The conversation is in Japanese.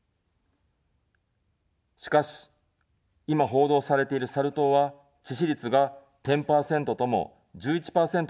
しかし、今、報道されているサル痘は致死率が１０％とも、１１％とも報道されています。